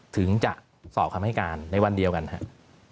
ถึงจะสอบคำให้การในวันเดียวกันครับ